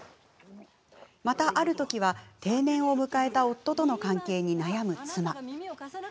また、あるときは定年を迎えた夫との関係に悩む妻。